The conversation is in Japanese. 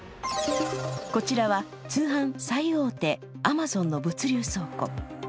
こちらは通販最大手アマゾンの物流倉庫。